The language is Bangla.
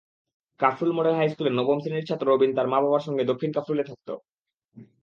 কাফরুল মডেল হাইস্কুলের নবম শ্রেণির ছাত্র রবিন তার মা-বাবার সঙ্গে দক্ষিণ কাফরুলে থাকত।